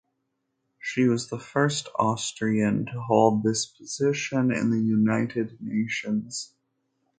She was the first Austrian to hold this position in the United Nations.